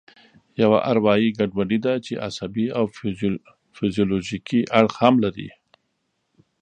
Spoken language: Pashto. یوه اروایي ګډوډي ده چې عصبي او فزیولوژیکي اړخ هم لري.